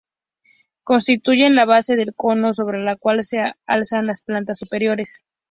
Constituyen la base del cono sobre la cual se alzan las plantas superiores.